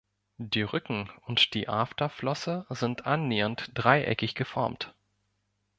Die Rücken- und die Afterflosse sind annähernd dreieckig geformt.